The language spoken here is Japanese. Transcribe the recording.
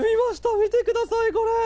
見てください、これ。